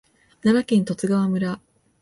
奈良県十津川村